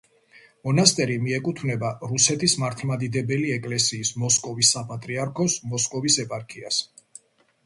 მონასტერი მიეკუთვნება რუსეთის მართლმადიდებელი ეკლესიის მოსკოვის საპატრიარქოს მოსკოვის ეპარქიას.